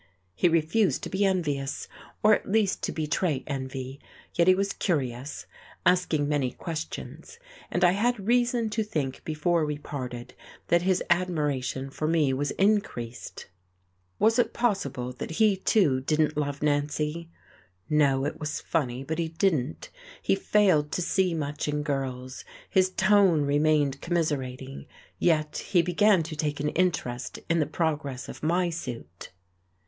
He refused to be envious, or at least to betray envy; yet he was curious, asking many questions, and I had reason to think before we parted that his admiration for me was increased. Was it possible that he, too, didn't love Nancy? No, it was funny, but he didn't. He failed to see much in girls: his tone remained commiserating, yet he began to take an interest in the progress of my suit.